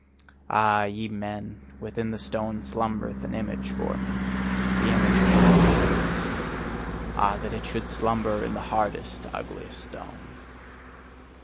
Ah, ye men, within the stone slumbereth an image for me, the image of my visions! Ah, that it should slumber in the hardest, ugliest stone!